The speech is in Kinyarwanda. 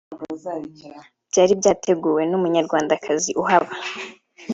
byari byateguwe n’Umunyarwandakazi uhaba